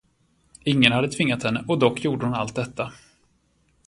Ingen hade tvingat henne, och dock gjorde hon allt detta.